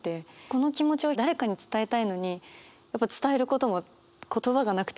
この気持ちを誰かに伝えたいのにやっぱ伝えることも言葉がなくてできなくて。